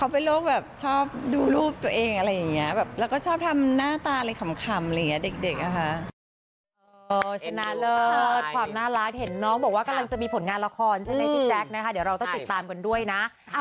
ผลงานละครใช่มั้ยพี่แจ็คนะคะเดี๋ยวเราต้องติดตามกันด้วยนะ